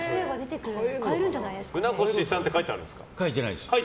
船越さんって書いてないです。